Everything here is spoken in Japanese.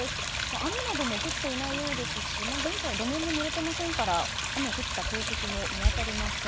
雨なども降っていないようですし現在、路面もぬれてませんから雨が降った形跡も見当たりません。